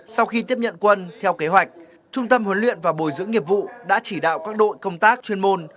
sau khi tiếp nhận quân theo kế hoạch trung tâm huấn luyện và bồi dưỡng nghiệp vụ đã chỉ đạo các đội công tác chuyên môn